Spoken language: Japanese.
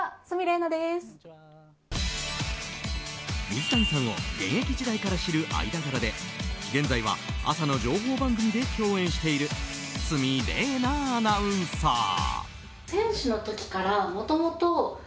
水谷さんを現役時代から知る間柄で現在は朝の情報番組で共演している鷲見玲奈アナウンサー。